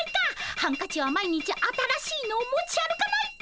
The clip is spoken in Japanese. ハンカチは毎日新しいのを持ち歩かないと！